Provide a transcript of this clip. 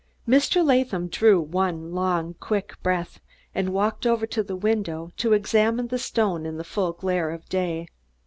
Mr. Latham drew one long quick breath, and walked over to the window to examine the stone in the full glare of day.